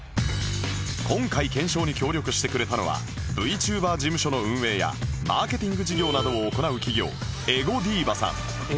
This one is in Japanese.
今回検証に協力してくれたのは ＶＴｕｂｅｒ 事務所の運営やマーケティング事業などを行う企業